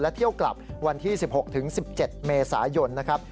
เที่ยวกลับวันที่๑๖๑๗เมษายนนะครับ